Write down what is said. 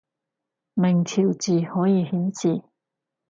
明朝字可以顯示